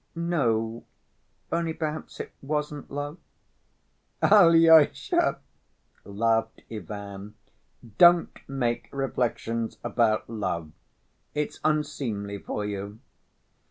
"No, only perhaps it wasn't love." "Alyosha," laughed Ivan, "don't make reflections about love, it's unseemly for you.